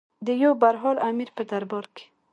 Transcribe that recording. د یو برحال امیر په دربار کې.